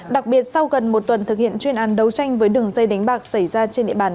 đặc biệt sau gần một tuần thực hiện chuyên án đấu tranh với đường dây đánh bạc xảy ra trên địa bàn